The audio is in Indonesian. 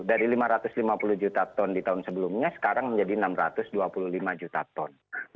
dari lima ratus lima puluh juta ton di tahun sebelumnya sekarang menjadi enam ratus dua puluh lima juta ton